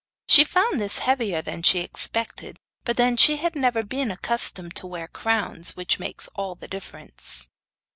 She found this heavier than she expected; but then, she had never been accustomed to wear crowns, which makes all the difference.